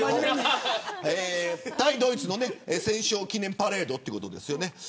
対ドイツの戦勝記念パレードということですよね。